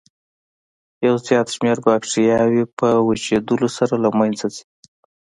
یو زیات شمېر باکتریاوې په وچېدلو سره له منځه ځي.